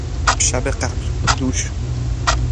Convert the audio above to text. شب قبل، دوش